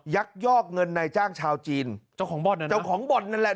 ยักยอกเงินในจ้างชาวจีนเจ้าของบ่อนเจ้าของบ่อนนั่นแหละ